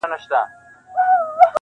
نن دي بیا سترګو کي رنګ د میکدو دی,